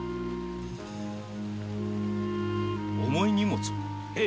重い荷物を？